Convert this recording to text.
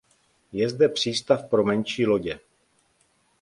Je zde přístav pro menší lodě.